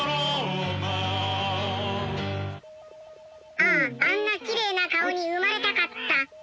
あああんなきれいな顔に生まれたかった。